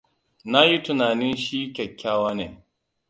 Na yi tunannin shi kyakkyawa ne